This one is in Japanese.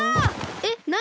えっなに？